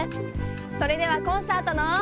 それではコンサートの。